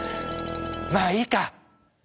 まあいいか！